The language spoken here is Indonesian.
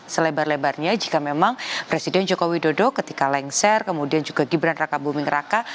selebar lebarnya jika memang presiden joko widodo ketika lengser kemudian juga gibran raka buming raka